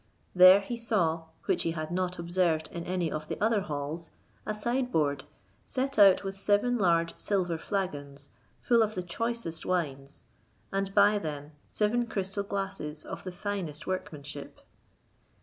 There he saw, which he had not observed in any of the other halls, a sideboard set out with seven large silver flagons full of the choicest wines, and by them seven crystal glasses of the finest workmanship.